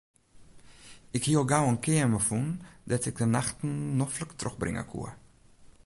Ik hie al gau in keamer fûn dêr't ik de nachten noflik trochbringe koe.